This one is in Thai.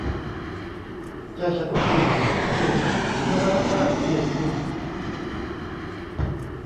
ใจฉันอบอุ่น สุภาพบุรุษ เมื่อแว่บแรกที่เห็นคุณ